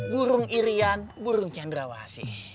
burung irian burung cendrawasi